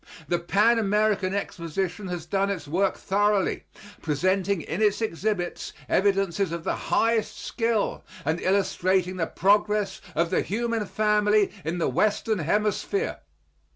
The Pan American Exposition has done its work thoroughly, presenting in its exhibits evidences of the highest skill and illustrating the progress of the human family in the Western Hemisphere.